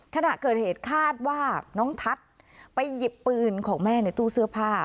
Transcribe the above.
ขณะเกิดเหตุคาดว่าน้องทัศน์ไปหยิบปืนของแม่ในตู้เสื้อผ้า